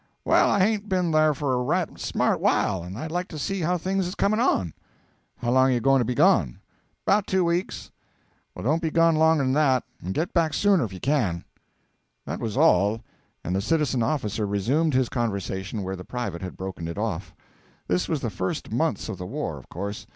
'Well, I hain't b'en there for a right smart while, and I'd like to see how things is comin' on.' 'How long are you going to be gone?' ''Bout two weeks.' 'Well don't be gone longer than that; and get back sooner if you can.' That was all, and the citizen officer resumed his conversation where the private had broken it off. This was in the first months of the war, of course.